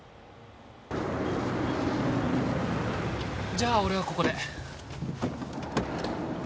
じゃあ俺はここで。